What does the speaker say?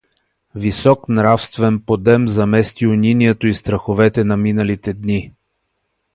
Висок нравствен подем замести унинието и страховете на миналите дни.